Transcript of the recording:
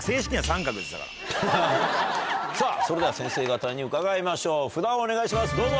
それでは先生方に伺いましょう札をお願いしますどうぞ。